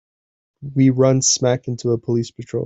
We run smack into a police patrol.